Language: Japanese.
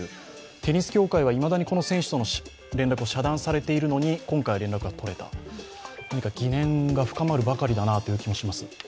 テニス協会はいまだにこの選手との連絡が遮断されているのに今回連絡が取れた、何か疑念が深まるばかりだなという気がします。